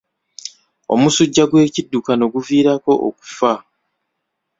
Omusujja gw'ekiddukano guviirako okufa.